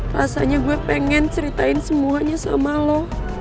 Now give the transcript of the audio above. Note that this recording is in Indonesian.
rasanya gue pengen ceritain semuanya sama lo